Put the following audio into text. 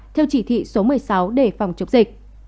theo chỉ thị số một mươi sáu để phòng chống dịch